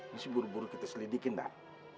ini sih buru buru kita selidikin dar